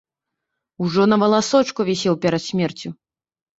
Ужо на валасочку вісеў перад смерцю.